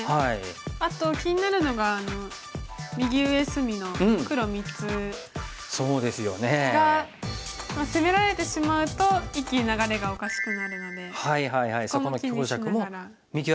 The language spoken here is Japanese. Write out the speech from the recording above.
あと気になるのが右上隅の黒３つが攻められてしまうと一気に流れがおかしくなるのでそこも気にしながら。